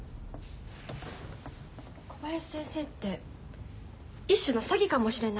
小林先生って一種の詐欺かもしれない。